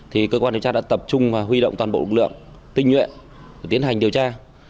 thì cơ quan điều tra đã tập trung và huy động toàn bộ lực lượng tinh nhuệ để tiến hành điều tra